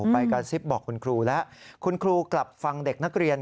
ไปกระซิบบอกคุณครูแล้วคุณครูกลับฟังเด็กนักเรียน